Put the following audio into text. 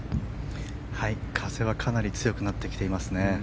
風はかなり強くなってきていますね。